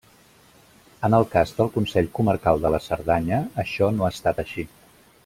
En el cas del Consell Comarcal de la Cerdanya, això no ha estat així.